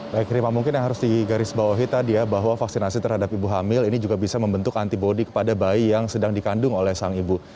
baik rima mungkin yang harus digarisbawahi tadi ya bahwa vaksinasi terhadap ibu hamil ini juga bisa membentuk antibody kepada bayi yang sedang dikandung oleh sang ibu